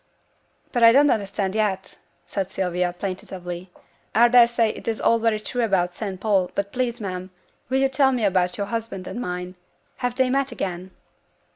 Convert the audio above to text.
'But I don't understand yet,' said Sylvia, plaintively; 'I daresay it's all very true about St Paul, but please, ma'am, will yo' tell me about yo'r husband and mine have they met again?'